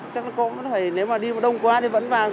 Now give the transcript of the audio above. chắc nó cũng phải nếu mà đi mà đông quá thì vẫn vàng